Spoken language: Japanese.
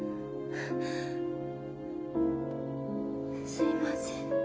すいません。